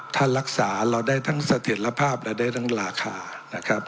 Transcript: ท่านรักษาเราได้ทั้งเสถียรภาพและได้ทั้งราคานะครับ